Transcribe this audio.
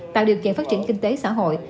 tạo điều kiện phát triển kinh tế xã hội